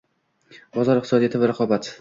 Bozor iqtisodiyoti va raqobat